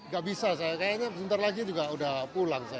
gak bisa saya kayaknya sebentar lagi juga udah pulang saya